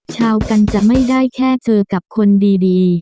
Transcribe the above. ชาวกันจะไม่ได้แค่เจอกับคนดี